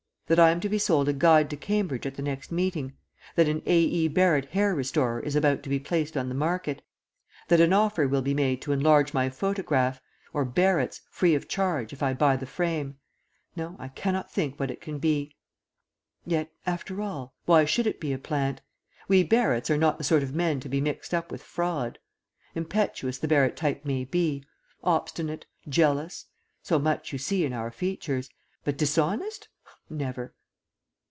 That I am to be sold a Guide to Cambridge at the next meeting; that an A. E. Barrett hair restorer is about to be placed on the market; that an offer will be made to enlarge my photograph (or Barrett's) free of charge if I buy the frame no, I cannot think what it can be. Yet, after all, why should it be a plant? We Barretts are not the sort of men to be mixed up with fraud. Impetuous the Barrett type may be, obstinate, jealous so much you see in our features. But dishonest? Never!